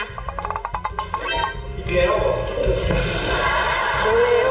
อีกแค่แล้วเหรอ